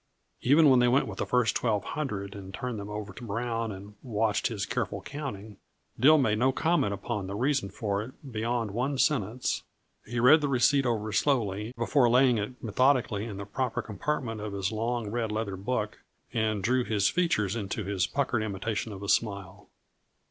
Even when they went with the first twelve hundred and turned them over to Brown and watched his careful counting, Dill made no comment upon the reason for it beyond one sentence. He read the receipt over slowly before laying it methodically in the proper compartment of his long red leather book, and drew his features into his puckered imitation of a smile.